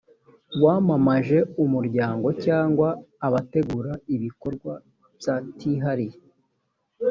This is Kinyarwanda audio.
wamamaje umuryango cyangwa abategura ibikorwa bytihariye